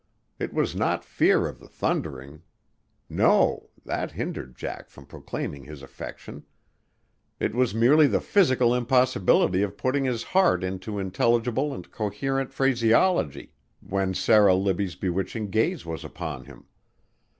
It was not fear of the thundering No that hindered Jack from proclaiming his affection; it was merely the physical impossibility of putting his heart into intelligible and coherent phraseology when Sarah Libbie's bewitching gaze was upon him.